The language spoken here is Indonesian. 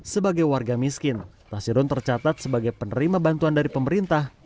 sebagai warga miskin tasirun tercatat sebagai penerima bantuan dari pemerintah